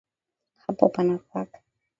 Hapo pana paka.